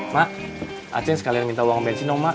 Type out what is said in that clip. mak acing sekalian minta uang bencinom mak